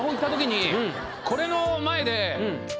これの前で。